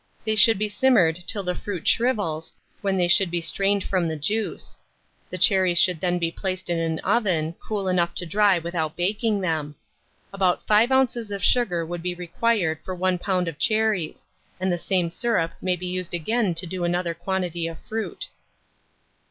They should be simmered till the fruit shrivels, when they should be strained from the juice. The cherries should then be placed in an oven, cool enough to dry without baking them. About 5 oz. of sugar would be required for 1 lb. of cherries, and the same syrup may be used again to do another quantity of fruit.